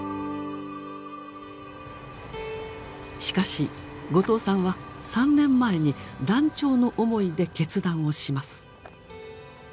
しかし後藤さんは３年前に断腸の思いで決断をします。